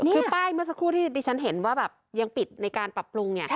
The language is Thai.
คือป้ายเมื่อสักครู่ที่ดิฉันเห็นว่าแบบยังปิดในการปรับปรุง